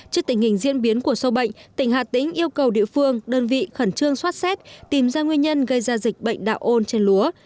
trước tình hình diễn biến của sâu bệnh tỉnh hà tĩnh yêu cầu địa phương đơn vị khẩn trương xót xét tìm ra nguyên nhân gây ra dịch bệnh đạo ôn trên lúa